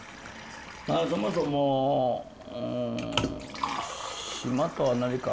まあそもそも島とは何か。